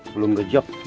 belum ngejep sih